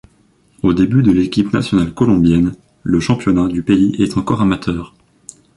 Aux débuts de l'équipe nationale colombienne, le championnat du pays est encore amateur.